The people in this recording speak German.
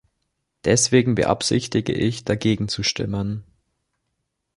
Deswegen beabsichtige ich, dagegen zu stimmen.